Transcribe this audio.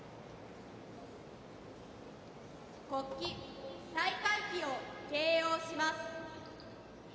国旗・大会旗を掲揚します。